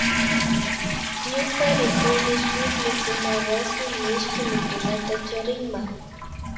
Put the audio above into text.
Ñuka rikuni shuk mikunawasi mishki mikunata charikma